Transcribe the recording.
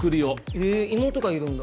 へぇ妹がいるんだ。